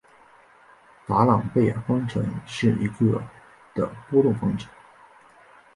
达朗贝尔方程是一个的波动方程。